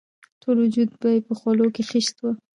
ټول وجود یې په خولو کې خیشت وو.